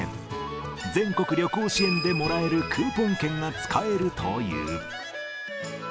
全国旅行支援でもらえるクーポン券が使えるという。